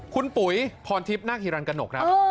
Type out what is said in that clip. คุณปุ๋ยพรทิพย์นาคฮิรันกระหนกครับ